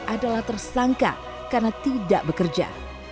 adalah tersangka karena tidak bekerja